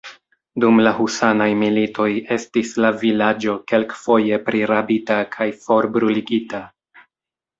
Dum la Husanaj Militoj estis la vilaĝo kelkfoje prirabita kaj forbruligita.